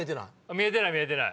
見えてない見えてない。